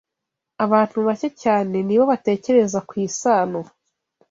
Abantu bake cyane ni bo batekereza ku isano